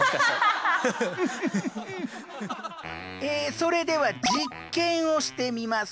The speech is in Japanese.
それでは実験をしてみます。